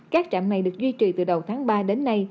các trạm này được duy trì từ đầu tháng ba đến nay